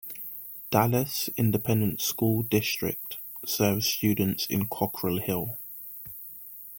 Dallas Independent School District serves students in Cockrell Hill.